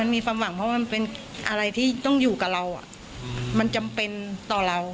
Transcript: มีความหวังเพราะมันเป็นอะไรที่ต้องอยู่กับเรามันจำเป็นต่อเรา